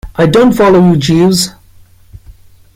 I don't follow you, Jeeves.